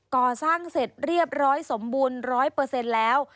ก่อสร้างเสร็จเรียบร้อยสมบูรณ์๑๐๐แล้ว